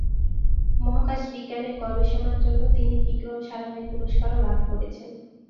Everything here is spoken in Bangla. মহাকাশ বিজ্ঞানের গবেষণার জন্য তিনি বিক্রম সারাভাই পুরস্কারও লাভ করেছেন।